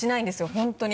本当に。